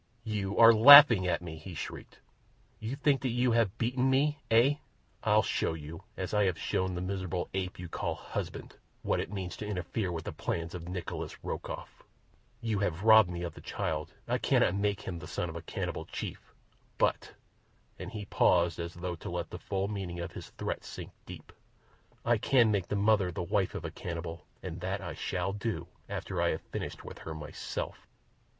"You are laughing at me," he shrieked. "You think that you have beaten me—eh? I'll show you, as I have shown the miserable ape you call 'husband,' what it means to interfere with the plans of Nikolas Rokoff. "You have robbed me of the child. I cannot make him the son of a cannibal chief, but"—and he paused as though to let the full meaning of his threat sink deep—"I can make the mother the wife of a cannibal, and that I shall do—after I have finished with her myself."